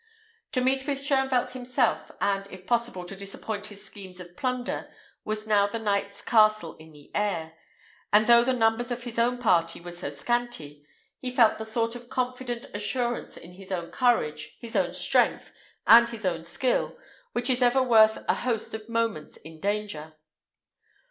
To meet with Shoenvelt himself, and if possible to disappoint his schemes of plunder, was now the knight's castle in the air; and though the numbers of his own party were so scanty, he felt the sort of confident assurance in his own courage, his own strength, and his own skill, which is ever worth a host in moments of danger.